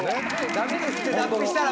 ダメですって脱皮したら。